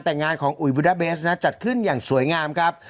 แต่งานของอุ๋ยบุดาเบสนะจัดขึ้นอย่างสวยงามครับ